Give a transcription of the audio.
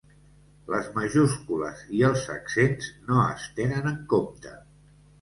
Les majúscules i els accents no es tenen en compte.